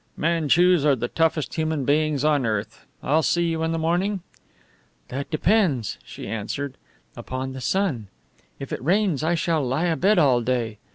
"Manchus are the toughest human beings on earth. I'll see you in the morning?" "That depends," she answered, "upon the sun. If it rains I shall lie abed all day.